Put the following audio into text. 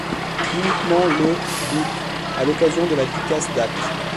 Uniquement le d'août, à l'occasion de la Ducasse d'Ath.